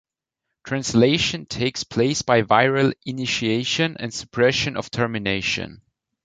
Translation takes place by viral initiation, and suppression of termination.